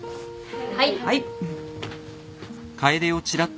はい。